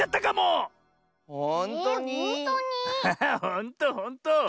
ほんとほんと。